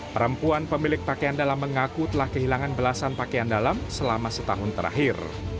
perempuan pemilik pakaian dalam mengaku telah kehilangan belasan pakaian dalam selama setahun terakhir